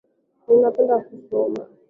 Ninapenda kusoma.